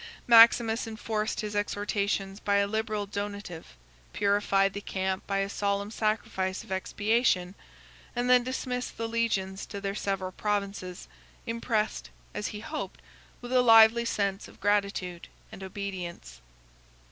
Maximus enforced his exhortations by a liberal donative, purified the camp by a solemn sacrifice of expiation, and then dismissed the legions to their several provinces, impressed, as he hoped, with a lively sense of gratitude and obedience.